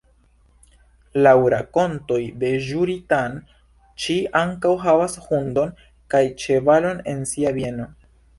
Laŭ rakontoj de Ĵuri-tan, ŝi ankaŭ havas hundon kaj ĉevalon en sia bieno.